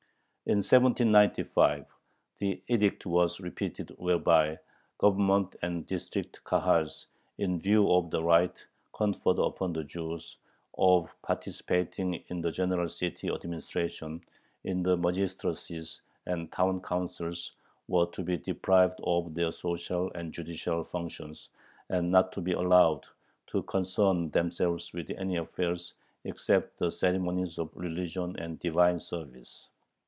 In 1795 the edict was repeated whereby the Government and District Kahals, in view of the right, conferred upon the Jews, of participating in the general city administration, in the magistracies and town councils, were to be deprived of their social and judicial functions, and not to be allowed "to concern themselves with any affairs except the ceremonies of religion and divine service."